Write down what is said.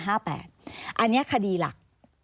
อันนี้คดีหลัก